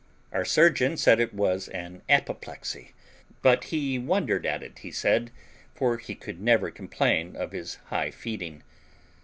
Our surgeon said it was an apoplexy, but he wondered at it, he said, for he could never complain of his high feeding.